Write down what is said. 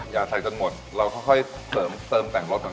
อย่าใส่จนหมดเราค่อยเสริมแต่งรสก่อนก็ได้